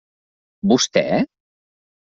Vostè?